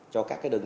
cho các địa phương